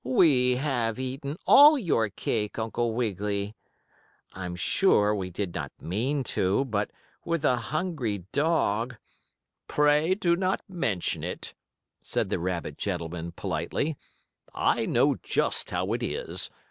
"We have eaten all your cake, Uncle Wiggily. I'm sure we did not mean to, but with a hungry dog " "Pray do not mention it," said the rabbit gentleman, politely. "I know just how it is.